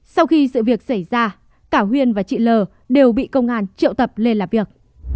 sau khi sự việc xảy ra cả huyên và chị l đều bị công an triệu tập lên làm việc